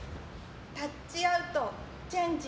タッチアウト、チェンジ。